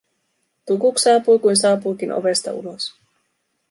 Tukuk saapui kuin saapuikin ovesta ulos.